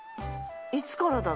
いつからだろ？